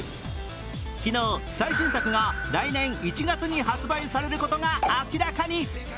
昨日、最新作が来年１月に発売されることが明らかに。